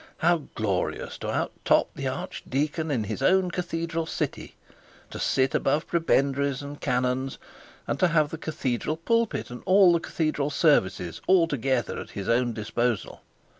How glorious to out top the archdeacon in his own cathedral city; to sit above prebendaries and canons, and have the cathedral pulpit and all the cathedral services altogether at his own disposal!